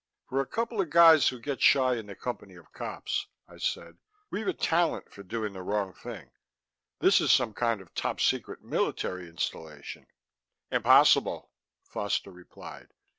"For a couple of guys who get shy in the company of cops," I said, "we've a talent for doing the wrong thing. This is some kind of Top Secret military installation." "Impossible," Foster replied.